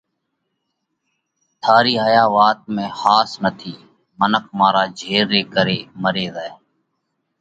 ٿارِي هايا وات ۾ ۿاس نٿِي، منک مارا جھير ري ڪري مري زائه۔